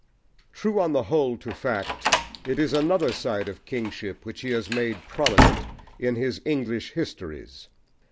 True, on the whole, to fact, it is another side of kingship which he has made prominent in his English histories.